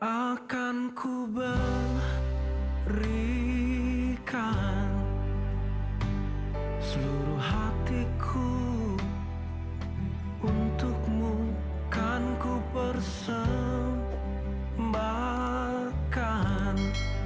akan kuberikan seluruh hatiku untukmu kan ku bersembahkan